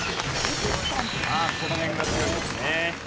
この辺は強いですね。